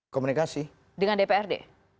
komunikasi dengan dprd